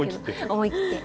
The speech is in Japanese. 思い切って。